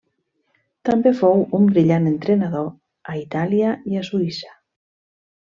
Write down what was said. També fou un brillant entrenador a Itàlia i a Suïssa.